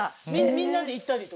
みんなで行ったりとか。